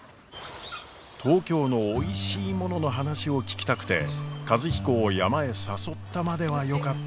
東京のおいしいものの話を聞きたくて和彦を山へ誘ったまではよかったのですが。